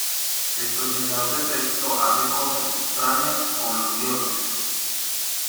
El procesador de texto hace cosas extrañas con los guiones.